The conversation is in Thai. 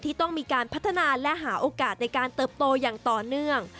ต้องมีการพัฒนาและหาโอกาสในการเติบโตอย่างต่อเนื่อง